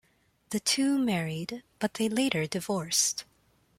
The two married but they later divorced.